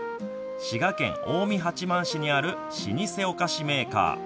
滋賀県近江八幡市にある老舗お菓子メーカー。